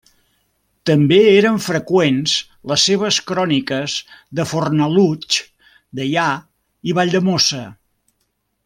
També eren freqüents les seves cròniques de Fornalutx, Deià i Valldemossa.